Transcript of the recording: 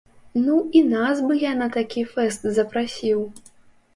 Ну і нас бы я на такі фэст запрасіў!